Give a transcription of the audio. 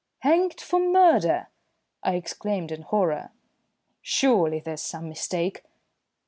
"Hanged for murder!" I exclaimed in horror. "Surely there's some mistake?"